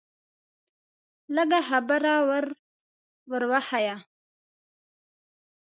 لږه خبره ور وښیه.